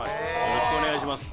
よろしくお願いします。